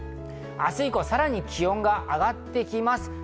明日以降、さらに気温が上がってきます。